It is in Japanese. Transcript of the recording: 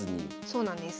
そうなんです。